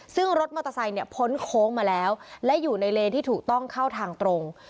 ซึ่งรถมอเตอร์ไซค์เนี่ยพ้นโค้งมาแล้วและอยู่ในเลนที่ถูกต้องเข้าทางตรง